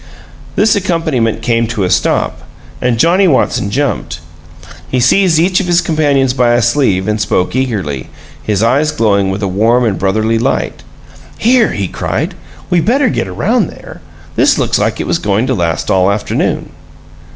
This accompaniment came to a stop, and Johnnie Watson jumped. He seized each of his companions by a sleeve and spoke eagerly, his eyes glowing with a warm and brotherly light. "Here!" he cried. "We better get around there this looks like it was goin' to last all afternoon.